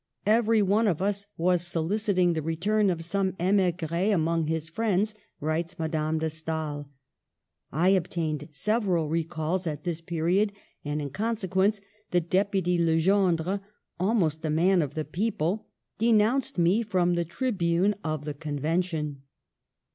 " Every one of us was soliciting the return of some tmigrt among his friends," writes Madame de Stael. " I obtained several recalls at this period ; and in consequence the deputy Legendre, almost a man of the people, denounced me from the tribune of the Convention.